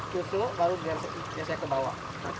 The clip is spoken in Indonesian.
tutup baru biar bisa ke bawah